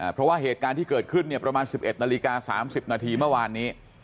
เพราะว่าเหตุการณ์ที่เกิดขึ้นประมาณ๑๑นาฬิกา๓๐นาทีเมื่อวานนี้